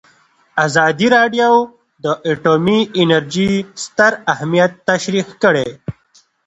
ازادي راډیو د اټومي انرژي ستر اهميت تشریح کړی.